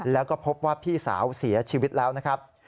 แล้วก็พบว่าพี่สาวเสียชีวิตแล้วนะครับ